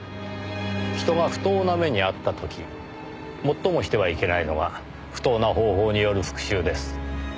人が不当な目に遭った時最もしてはいけないのは不当な方法による復讐です。